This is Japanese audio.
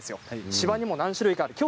芝にも何種類かあります。